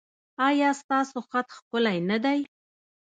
ایا ستاسو خط ښکلی نه دی؟